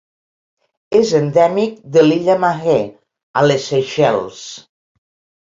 És endèmic de l'illa Mahé a Les Seychelles.